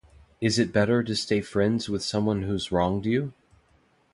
“Is it better to stay friends with someone who's wronged you?”